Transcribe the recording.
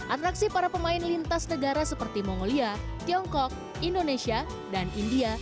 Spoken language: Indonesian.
atraksi para pemain lintas negara seperti mongolia tiongkok indonesia dan india